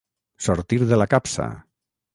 Sortir de la capsa.